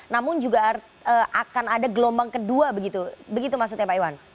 namun juga akan ada gelombang kedua begitu maksudnya pak iwan